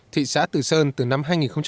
thị xã từ sơn từ năm hai nghìn một mươi bảy